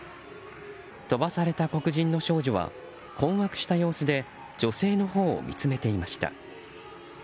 飛ばされた黒人の少女は困惑した様子で女性のほうを見つめていました。